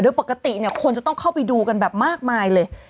โดยปกติเนี่ยคนจะต้องเข้าไปดูกันแบบมากมายเลย